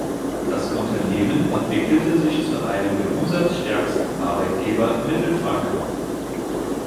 Das Unternehmen entwickelte sich zu einem der umsatzstärksten Arbeitgeber in Mittelfranken.